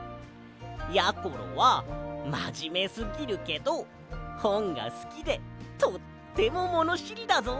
やころはまじめすぎるけどほんがすきでとってもものしりだぞ。